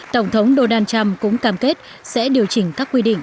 tổng thống donald trump cũng cam kết sẽ điều chỉnh các quy định